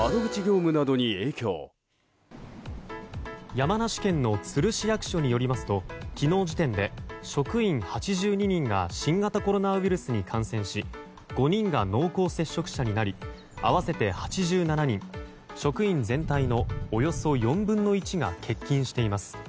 山梨県の都留市役所によりますと昨日時点で、職員８２人が新型コロナウイルスに感染し５人が濃厚接触者になり合わせて８７人職員全体のおよそ４分の１が欠勤しています。